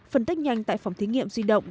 phân tích nhanh tại phòng thí nghiệm di động